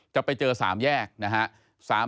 จะไปเจอ๓แยกนะฮะ